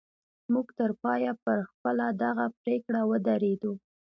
موږ تر پایه پر خپله دغه پرېکړه ودرېدو